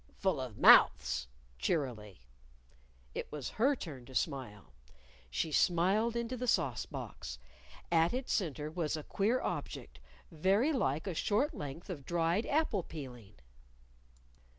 "Full of mouths," cheerily. It was her turn to smile. She smiled into the sauce box. At its center was a queer object, very like a short length of dried apple peeling.